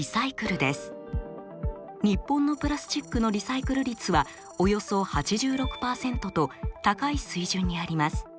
日本のプラスチックのリサイクル率はおよそ８６％と高い水準にあります。